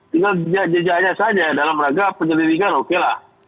tinggal jejak jejaknya saja dalam rangka penyelidikan okelah